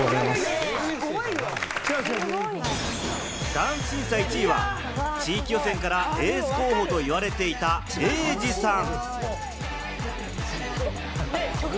ダンス予選１位は地域予選からエース候補と言われていたエイジさん。